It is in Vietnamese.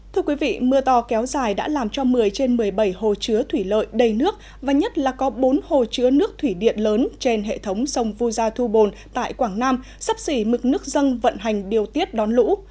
thưa quý vị mưa to kéo dài đã làm cho một mươi trên một mươi bảy hồ chứa thủy lợi đầy nước và nhất là có bốn hồ chứa nước thủy điện lớn trên hệ thống sông vu gia thu bồn tại quảng nam sắp xỉ mực nước dân vận hành điều tiết đón lũ